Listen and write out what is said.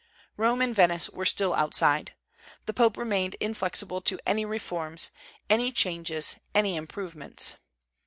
Rome and Venice were still outside. The Pope remained inflexible to any reforms, any changes, any improvements.